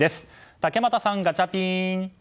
竹俣さん、ガチャピン！